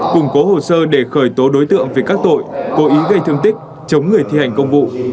củng cố hồ sơ để khởi tố đối tượng về các tội cố ý gây thương tích chống người thi hành công vụ